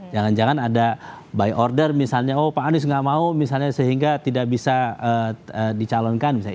jangan jangan ada by order misalnya oh pak anies nggak mau misalnya sehingga tidak bisa dicalonkan misalnya